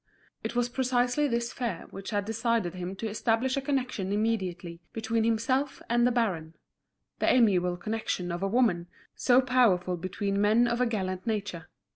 It was precisely this fear which had decided him to establish a connection immediately between himself and the baron—the amiable connection of a woman, so powerful between men of a gallant nature.